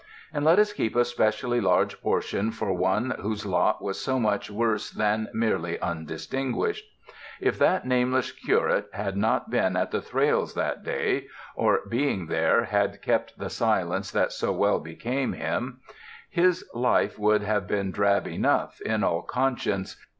And let us keep a specially large portion for one whose lot was so much worse than merely undistinguished. If that nameless curate had not been at the Thrales' that day, or, being there, had kept the silence that so well became him, his life would have been drab enough, in all conscience.